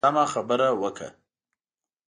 سمه خبره وکړه.